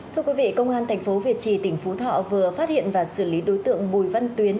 thưa quý vị công an thành phố việt trì tỉnh phú thọ vừa phát hiện và xử lý đối tượng bùi văn tuyến